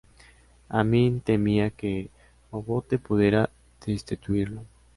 Amin temía que Obote pudiera destituirlo.